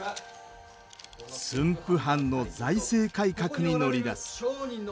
駿府藩の財政改革に乗り出す。